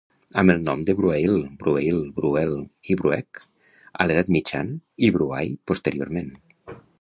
Amb el nom de Bruail, Brueil, Bruel i Bruech a l"Edat Mitjana i Bruay posteriorment.